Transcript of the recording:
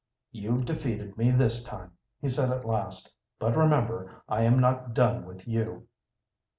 "You've defeated me this time," he said, at last. "But, remember, I am not done with you."